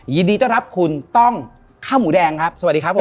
ยินดีต้อนรับคุณต้องข้าวหมูแดงครับสวัสดีครับผม